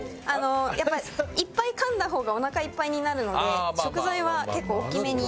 やっぱいっぱい噛んだ方がお腹いっぱいになるので食材は結構大きめに。